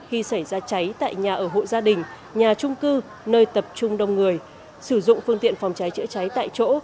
khi xảy ra cháy tại nhà ở hộ gia đình nhà trung cư nơi tập trung đông người sử dụng phương tiện phòng cháy chữa cháy tại chỗ